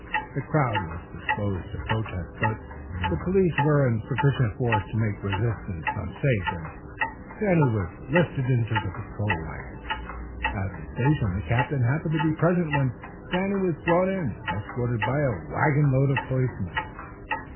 The crowd was disposed to protest, but the police were in sufficient force to make resistance unsafe, and Danny was lifted into the patrol wagon. At the station the captain happened to be present when Danny was brought in, escorted by a wagon load of policemen.